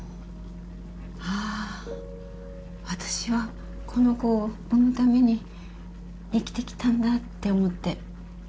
あああたしはこの子を産むために生きてきたんだって思って。